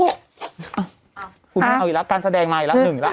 คุณไม่เอาอีกแล้วการแสดงมาอีกแล้วหนึ่งอีกแล้ว